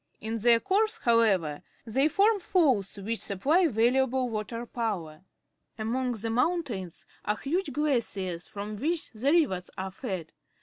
In their course, however, they form falls. which supply valuable water power. Among the mountains are huge glaciers from which the rivers are fed.